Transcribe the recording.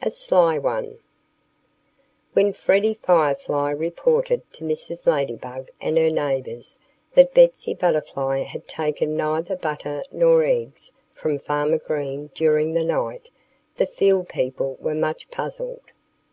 XI A SLY ONE WHEN Freddie Firefly reported to Mrs. Ladybug and her neighbors that Betsy Butterfly had taken neither butter nor eggs from Farmer Green during the night the field people were much puzzled.